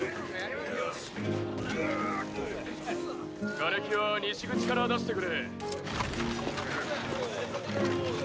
瓦礫は西口から出してくれ。